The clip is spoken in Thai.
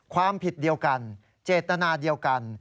ความผิดเดียวกันเจตนาเดียวกัน